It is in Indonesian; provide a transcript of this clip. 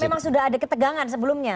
tapi memang sudah ada ketegangan sebelumnya